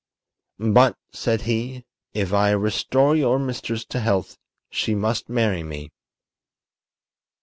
"But," said he, "if I restore your mistress to health she must marry me."